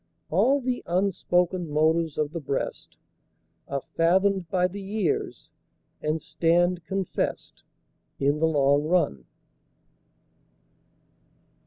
All the unspoken motives of the breast Are fathomed by the years and stand confess'd In the long run.